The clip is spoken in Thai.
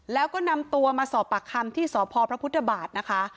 แล้วก็นำตัวมาสอบปากคำที่สพพระพุทธบาทนะคะ